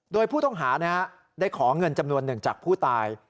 โดยผู้ต้องหาได้ขอเงินจำนวนหนึ่งจากผู้ตาย